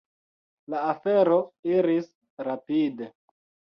La afero iris rapide.